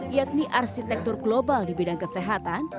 yakni arsitektur global di bidang kesehatan